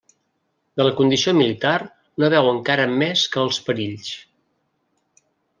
De la condició militar no veu encara més que els perills.